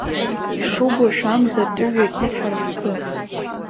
Ишубошәа амза атыҩ иакит ҳара ҳзы.